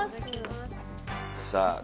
さあ。